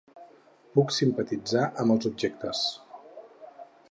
Puc simpatitzar amb els objectes.